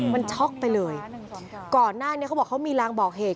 มันช็อกไปเลยก่อนหน้านี้เขาบอกเขามีรางบอกเหตุ